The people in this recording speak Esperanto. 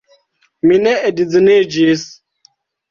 Mi ne edziniĝis.